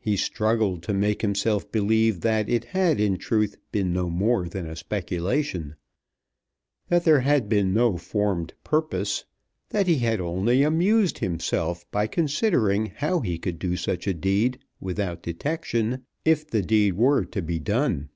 He struggled to make himself believe that it had in truth been no more than a speculation, that there had been no formed purpose, that he had only amused himself by considering how he could do such a deed without detection, if the deed were to be done.